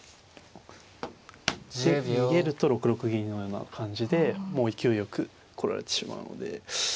で逃げると６六銀のような感じでもう勢いよく来られてしまうので。